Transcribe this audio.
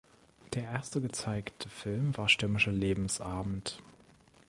Der erste gezeigte Film war "Stürmischer Lebensabend".